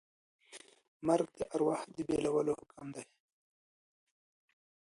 مرګ د ارواح د بېلولو حکم دی.